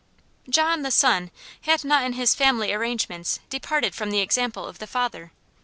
John, the son, had not in his family arrangements departed from the example of the father.